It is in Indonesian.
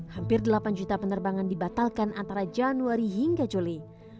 hampir delapan juta penerbangan dibatalkan antara januari hingga juli